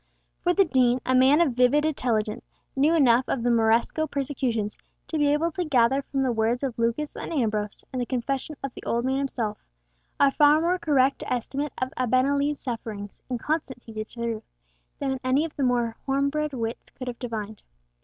For the Dean, a man of vivid intelligence, knew enough of the Moresco persecutions to be able to gather from the words of Lucas and Ambrose, and the confession of the old man himself, a far more correct estimate of Abenali's sufferings, and constancy to the truth, than any of the more homebred wits could have divined.